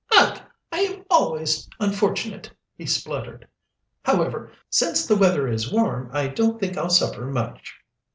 "Ugh! I am always unfortunate!" he spluttered. "However, since the weather is warm, I don't think I'll suffer much."